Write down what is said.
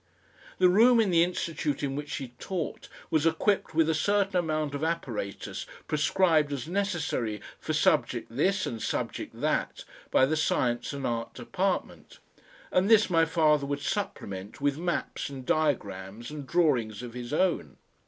The room in the Institute in which he taught was equipped with a certain amount of apparatus prescribed as necessary for subject this and subject that by the Science and Art Department, and this my father would supplement with maps and diagrams and drawings of his own.